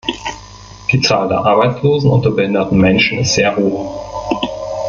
Die Zahl der Arbeitslosen unter behinderten Menschen ist sehr hoch.